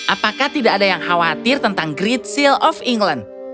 apakah tidak ada yang khawatir tentang great sale of england